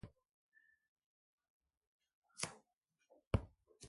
This numerical effect takes the form of an extra high diffusion rate.